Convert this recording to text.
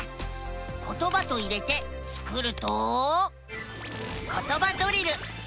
「ことば」と入れてスクると「ことばドリル」。